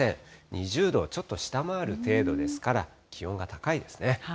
２０度をちょっと下回る程度ですから、気温が高いですね。